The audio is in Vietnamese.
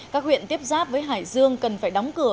các huyện tiếp giáp với hải dương cần phải đóng cửa